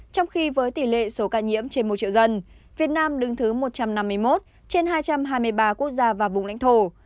trong khi với tỷ lệ số ca nhiễm trên một triệu dân việt nam đứng thứ một trăm năm mươi một trên hai trăm hai mươi ba quốc gia và vùng lãnh thổ